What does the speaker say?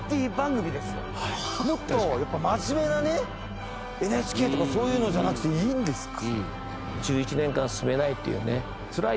もっと真面目なねＮＨＫとかそういうのじゃなくていいんですか？